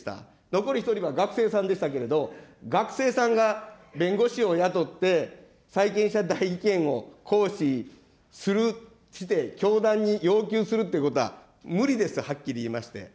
残り１人は学生さんでしたけど、学生さんが弁護士を雇って債権者代位権を行使して、教団に要求するということは無理です、はっきり言いまして。